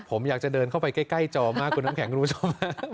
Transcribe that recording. ผมอยากจะเดินเข้าไปใกล้จอมากคุณน้ำแข็งคุณผู้ชม